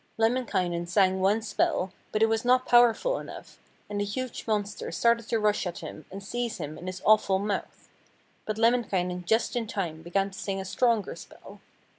Lemminkainen sang one spell, but it was not powerful enough, and the huge monster started to rush at him and seize him in its awful mouth. But Lemminkainen just in time began to sing a stronger spell.